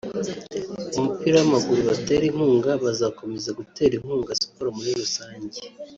umupira w’amaguru batera inkunga bazakomeza gutera inkunga siporo muri rusange